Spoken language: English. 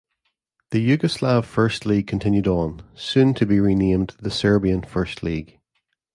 The Yugoslav First League continued on, soon to be renamed the Serbian First League.